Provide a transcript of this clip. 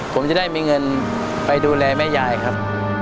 ผมจะได้มีเงินไปดูแลแม่ยายครับ